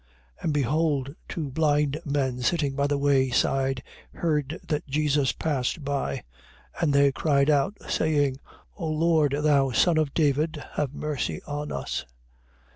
20:30. And behold two blind men sitting by the way side heard that Jesus passed by. And they cried out, saying: O Lord, thou son of David, have mercy on us.